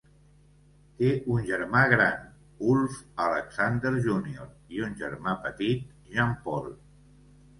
Té un germà gran, Ulf Alexander Junior, i un germà petit, Jean-Paul.